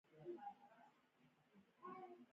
د اعلامیې لاسلیک کوونکي دولتونه یې په ملي کچه رعایت کوي.